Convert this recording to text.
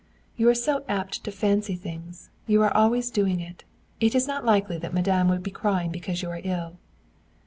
"You are so apt to fancy things! You are always doing it. It is not likely that madame would be crying because you are ill."